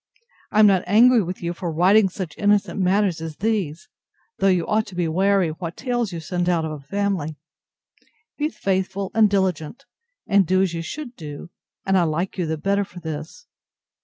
I am not angry with you for writing such innocent matters as these: though you ought to be wary what tales you send out of a family.—Be faithful and diligent; and do as you should do, and I like you the better for this.